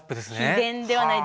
秘伝ではない。